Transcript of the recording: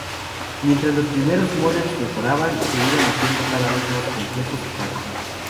Mientras los primeros módems mejoraban, se iban haciendo cada vez más complejos y caros.